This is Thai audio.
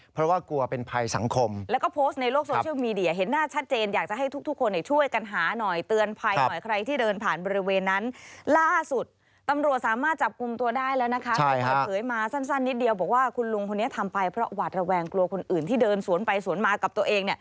ถ้าเผยมาสั้นนิดเดียวบอกว่าคุณลุงคนนี้ทำไปเพราะหวัดระแวงกลัวคนอื่นที่เดินสวนไปสวนมากับตัวเอง